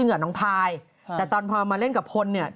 อืมอืมอืมอืมอืมอืมอืม